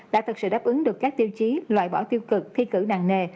đã thực sự đáp ứng được các tiêu chí loại bỏ tiêu cực thi cử nặng nề